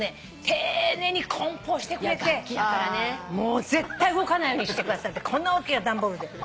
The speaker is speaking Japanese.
丁寧に梱包してくれてもう絶対動かないようにしてくださってこんな大きな段ボールで。